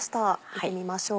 見てみましょう。